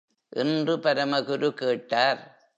என்று பரமகுரு கேட்டார்.